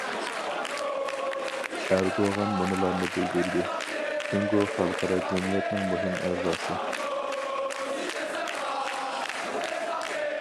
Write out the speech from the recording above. ئەردوغان مۇنۇلارنى بىلدۈردى: جۇڭگو خەلقئارا جەمئىيەتنىڭ مۇھىم ئەزاسى.